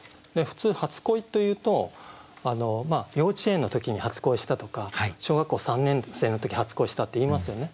普通「初恋」というと幼稚園の時に初恋したとか小学校３年生の時初恋したっていいますよね。